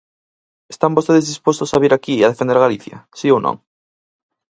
¿Están vostedes dispostos a vir aquí a defender a Galicia?, ¿si ou non?